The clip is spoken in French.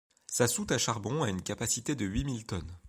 Sa soute à charbon a une capacité de huit mille tonnes.